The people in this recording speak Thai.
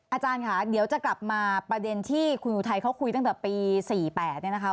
อาจารย์ค่ะเดี๋ยวจะกลับมาประเด็นที่คุณอุทัยเขาคุยตั้งแต่ปี๔๘เนี่ยนะคะ